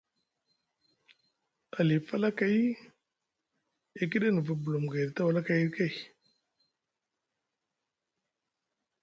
Ali falakay e kiɗi e nivi bulum gayɗi tawalakayɗi kay.